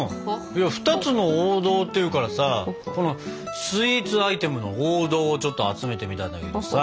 「２つの王道」っていうからさこのスイーツアイテムの王道をちょっと集めてみたんだけどさ。